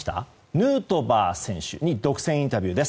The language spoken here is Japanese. ヌートバー選手に独占インタビューです。